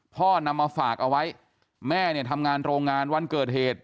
นำมาฝากเอาไว้แม่เนี่ยทำงานโรงงานวันเกิดเหตุ